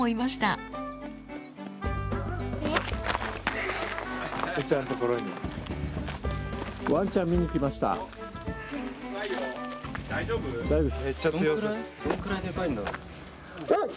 どんくらいデカいんだろう？